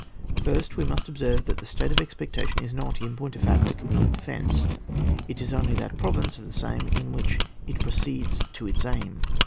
First we must observe that the state of expectation is not, in point of fact, the complete defence ; it is only that province of the same in wluch it proceeds to its aim.